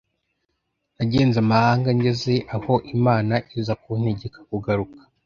nagenze amahanga ngeze aho Imana iza kuntegeka kugaruka